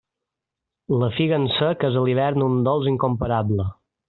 La figa en sec és a l'hivern un dolç incomparable.